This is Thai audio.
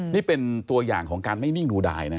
นี่เป็นตัวอย่างของการไม่นิ่งดูดายนะ